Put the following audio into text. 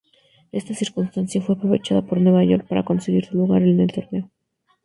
Esta circunstancia fue aprovechada por Nueva York para conseguir su lugar en el torneo.